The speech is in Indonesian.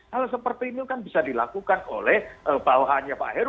hal seperti ini kan bisa dilakukan oleh bawahannya pak heru